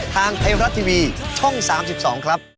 ทางไทยรัฐทีวีช่อง๓๒ครับ